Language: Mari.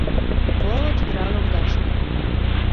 Моло чодыра лоҥгаште